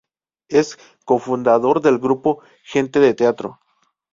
Es cofundador del Grupo "Gente de teatro".